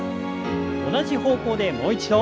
同じ方向でもう一度。